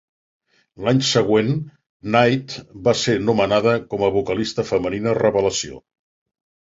L'any següent, Knight va ser nomenada com a vocalista femenina revelació.